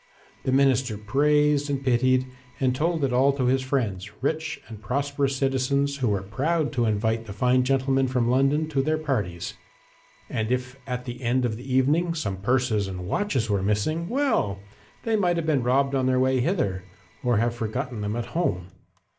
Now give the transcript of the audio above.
The minister praised and pitied, and told it all to his friends, rich and prosperous citizens who were proud to invite the fine gentleman from London to their parties. And if at the end of the evening some purses and watches were missing, well! they might have been robbed on their way hither, or have forgotten them at home.